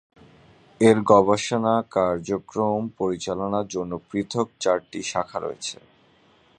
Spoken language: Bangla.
এর গবেষণা কার্যক্রম পরিচালনার জন্য পৃথক চারটি শাখা রয়েছে।